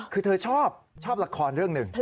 คือเธอชอบชอบละครเรื่องหนึ่ง